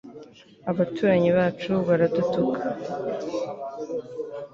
abaturanyi bacu baradutuka